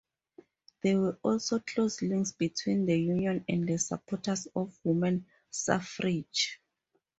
There were also close links between the Union and the supporters of women's suffrage.